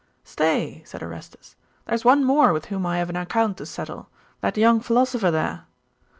'Stay,' said Orestes; 'there is one more with whom I have an account to settle that young philosopher there.